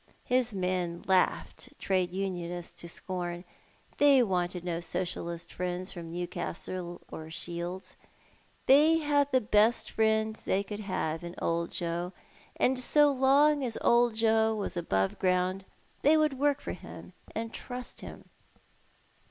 His men laughed Trade Unionists to scorn. They wanted no Socialist friends from Newcastle or Shields. They liad the best friend they could have in Old Joe ; and so long as Old Joe was above ground they would work for him and trust him.